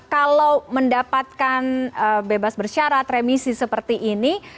kalau mendapatkan bebas bersyarat remisi seperti ini